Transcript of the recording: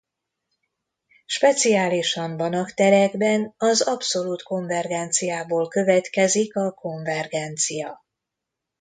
Speciálisan Banach-terekben az abszolút konvergenciából következik a konvergencia.